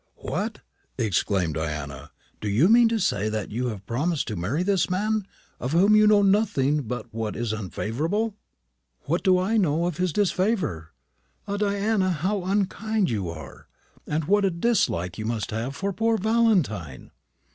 "What!" exclaimed Diana, "do you mean to say that you have promised to marry this man, of whom you know nothing but what is unfavourable?" "What do I know in his disfavour? Ah, Diana, how unkind you are! and what a dislike you must have for poor Valentine!